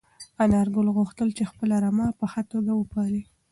انارګل غوښتل چې خپله رمه په ښه توګه وپالي.